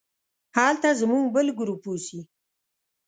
هلته زموږ بل ګروپ اوسي.